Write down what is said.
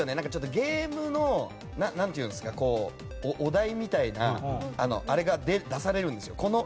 ゲームのお題みたいなあれが出されるんですよ。